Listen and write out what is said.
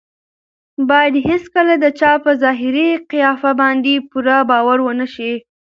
باید هېڅکله د چا په ظاهري قیافه باندې پوره باور ونه شي.